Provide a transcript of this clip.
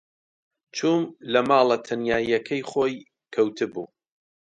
چووم لە ماڵە تەنیایییەکەی خۆی کەوتبوو.